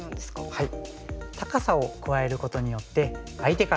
はい。